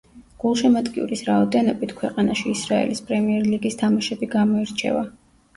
გულშემატკივრის რაოდენობით ქვეყანაში ისრაელის პრემიერ ლიგის თამაშები გამოირჩევა.